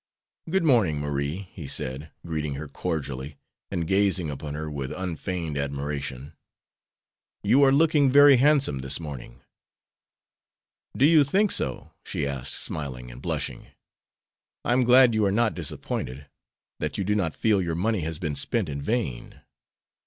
"Good morning, Marie," he said, greeting her cordially, and gazing upon her with unfeigned admiration. "You are looking very handsome this morning." "Do you think so?" she asked, smiling and blushing. "I am glad you are not disappointed; that you do not feel your money has been spent in vain."